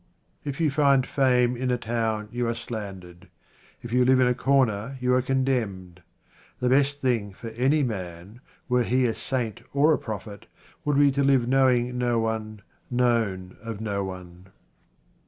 If you find fame in a town, you are slandered. If you live in a corner, you are condemned. The best thing for any man, were he a saint or a prophet, would be to live knowing no one, known of no one.